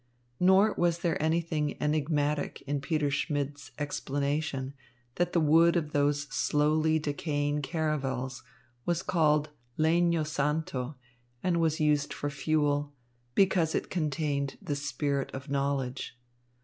Nor was there anything enigmatic in Peter Schmidt's explanation that the wood of those slowly decaying caravels was called legno santo and was used for fuel, because it contained the spirit of knowledge.